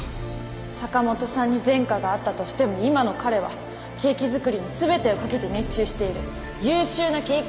坂元さんに前科があったとしても今の彼はケーキ作りに全てを懸けて熱中している優秀なケーキ